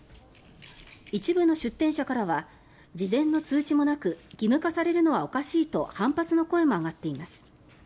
一部の出店者からは事前の通知もなく義務化されるのはおかしいと反発の声も上がっています。